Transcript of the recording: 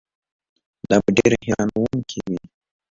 دا به ډېره حیرانوونکې وي.